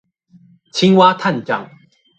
青蛙探長